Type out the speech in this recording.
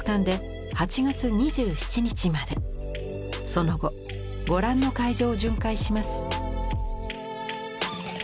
その後ご覧の会場を巡回します。